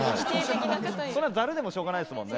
ざるでもしょうがないですもんね。